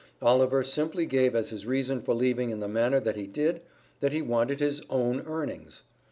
Oliver simply gave as his reason for leaving in the manner that he did, that he wanted his "own earnings."